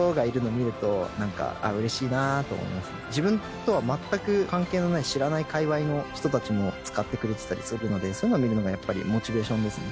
自分とは全く関係のない知らない界隈の人たちも使ってくれてたりするのでそういうのを見るのがやっぱりモチベーションですね。